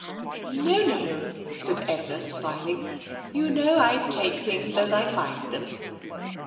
" No, no," said Edna, smiling. " You know I take things as I find them."